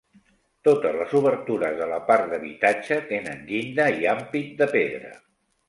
Totes les obertures de la part d'habitatge tenen llinda i ampit de pedra.